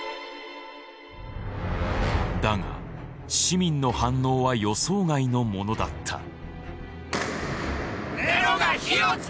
だが市民の反応は予想外のものだった。